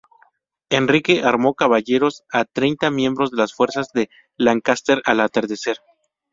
Enrique armó caballeros a treinta miembros de las fuerzas de Lancaster al atardecer.